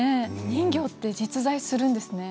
人魚って実在するんですね。